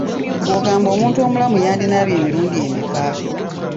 Gwe ogamba omuntu omulamu olunaku yandinaabye emirundi emeka?